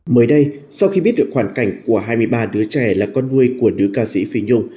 mới đây sau khi biết được hoàn cảnh của hai mươi ba đứa trẻ là con nuôi của nữ ca sĩ phi nhung